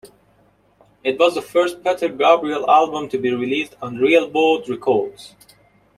It was the first Peter Gabriel album to be released on Real World Records.